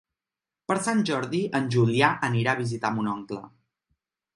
Per Sant Jordi en Julià anirà a visitar mon oncle.